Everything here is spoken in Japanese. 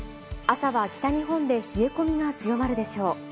朝は北日本で冷え込みが強まるでしょう。